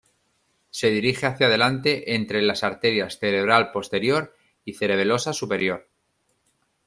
Se dirige hacia delante entre las arterias cerebral posterior y cerebelosa superior.